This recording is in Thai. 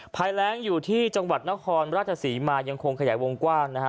ภายแรงอยู่ที่จังหวัดนครราชศรีมายังคงขยายวงกว้างนะฮะ